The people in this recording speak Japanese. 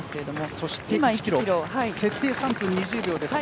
そして１キロ設定３分２０秒ですが。